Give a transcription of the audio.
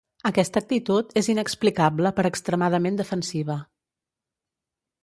Aquesta actitud és inexplicable per extremadament defensiva.